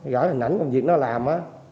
gửi hình ảnh công việc nó làm